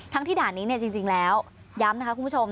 ที่ด่านนี้จริงแล้วย้ำนะคะคุณผู้ชม